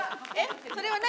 それは何？